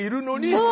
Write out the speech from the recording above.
そう！